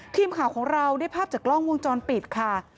ทีมข่าวของเราได้ภาพจากกล้องวงจรปิดค่ะ